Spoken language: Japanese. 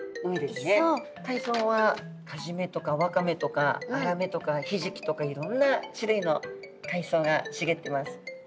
海藻はカジメとかワカメとかアラメとかヒジキとかいろんな種類の海藻がしげってます。